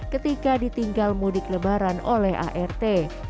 ketika ditinggal mudik lebaran oleh art